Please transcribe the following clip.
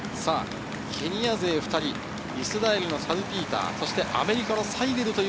ケニア勢２人、イスラエルのサルピーター、そしてアメリカのサイデルという。